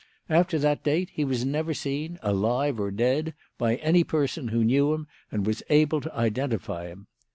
After that date he was never seen, alive or dead, by any person who knew him and was able to identify him.